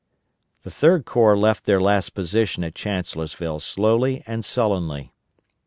The Third Corps left their last position at Chancellorsville slowly and sullenly.